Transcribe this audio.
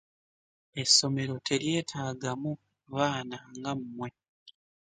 Essomero teryetaaga mu baana nga mwe.